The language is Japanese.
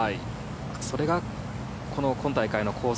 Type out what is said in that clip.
それが今大会のコース